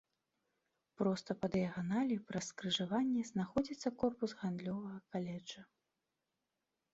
Проста па дыяганалі праз скрыжаванне знаходзіцца корпус гандлёвага каледжа.